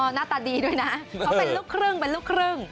หน้าตาดีด้วยนะเขาเป็นลูกครึ่งเป็นลูกครึ่ง